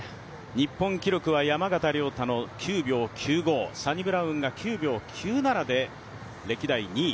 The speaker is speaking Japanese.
日本記録は山縣の９秒９５、サニブラウンが９秒９７で歴代２位。